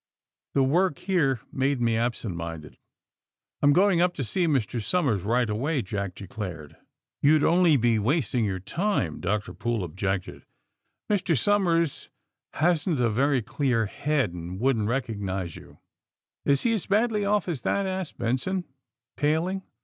The work here made me absent minded/' *^I am going up to see Mr. Somers right away,'' Jack declared. ^^Yon'd only be wasting your time," Dr. Poole objected. ^^Mr. Somers hasn't a very clear head, and wouldn't recognize you." ^^Is he as badly off as that!" asked Benson, paling.